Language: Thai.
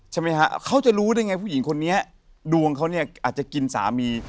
ใช่ไหมฮะเขาจะรู้ได้ไงผู้หญิงคนนี้ดวงเขาเนี่ยอาจจะกินสามี